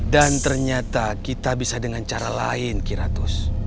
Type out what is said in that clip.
dan ternyata kita bisa dengan cara lain kiratus